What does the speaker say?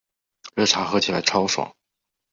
热茶喝起来超爽